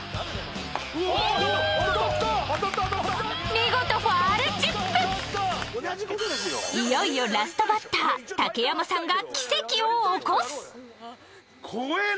見事、ファウルチップいよいよ、ラストバッター竹山さんが奇跡を起こす竹山：怖えな！